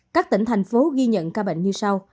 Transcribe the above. các tỉnh thành phố ghi nhận ca bệnh như sau